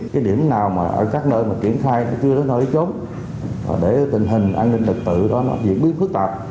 cái điểm nào mà ở các nơi mà kiểm khai chưa đến nơi chốn để tình hình an ninh lực tự đó nó diễn biến phức tạp